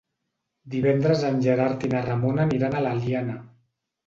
Divendres en Gerard i na Ramona aniran a l'Eliana.